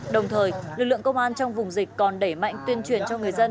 đồng thời lực lượng công an trong vùng dịch còn đẩy mạnh tuyên truyền cho người dân